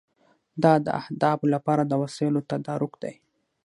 دا د اهدافو لپاره د وسایلو تدارک دی.